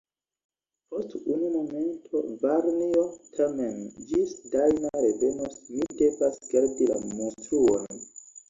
Post unu momento, varnjo; tamen ĝis Dajna revenos, mi devas gardi la mustruon.